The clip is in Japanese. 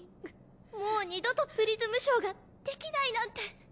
もう二度とプリズムショーができないなんて。